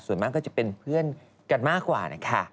ส่วนมากก็จะเป็นเพื่อนกันมากกว่านะคะ